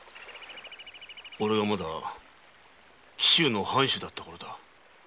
おれがまだ紀州の藩主だったころだ。